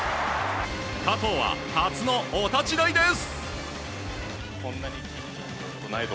加藤は、初のお立ち台です。